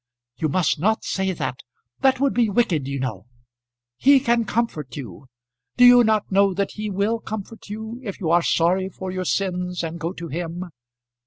"You must not say that. That would be wicked, you know. He can comfort you. Do you not know that He will comfort you, if you are sorry for your sins and go to Him?"